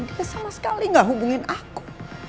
dia sama sekali gak hubungin aku